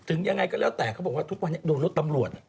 ยังไงก็แล้วแต่เขาบอกว่าทุกวันนี้โดนรถตำรวจ